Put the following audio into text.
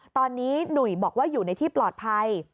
ตอนนี้หนุ่ยบอกว่าอยู่ในที่ปลอดภัย